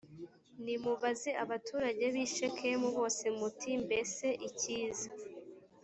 nimubaze abaturage b i shekemu bose muti mbese icyiza